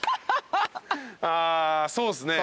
あそうっすね。